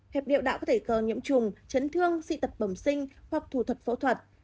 hẹp niệu đạo có thể cờ nhiễm trùng chấn thương di tập bẩm sinh hoặc thủ thuật phẫu thuật